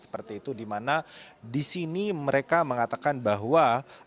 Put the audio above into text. seperti itu di mana di sini mereka mengatakan bahwa